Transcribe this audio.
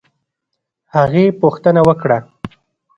هغې پوښتنه وکړه